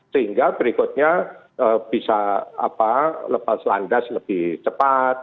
sehingga berikutnya bisa lepas landas lebih cepat